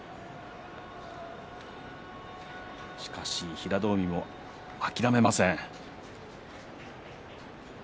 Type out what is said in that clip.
しかし平戸海も諦めません。